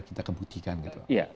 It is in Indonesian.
kita kebuktikan gitu